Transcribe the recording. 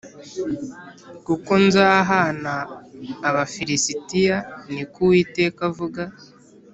kuko nzahana Abafi lisitiya ni ko uwiteka avuga